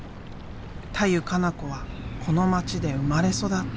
田湯加那子はこの町で生まれ育った。